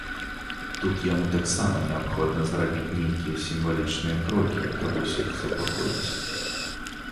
Тут яму таксама неабходна зрабіць нейкія сімвалічныя крокі, каб усіх супакоіць.